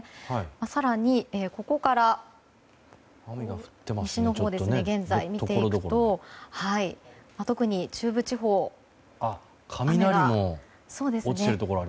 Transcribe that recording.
更にここから西のほうを見ていくと特に中部地方、雨が。